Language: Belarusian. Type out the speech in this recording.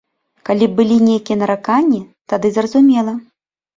Калі б былі нейкія нараканні, тады зразумела.